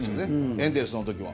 エンゼルスの時は。